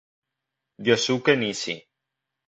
Yosuke Nishi